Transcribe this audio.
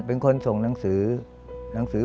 เป็นคนส่งหนังสือ